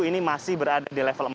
ini masih berada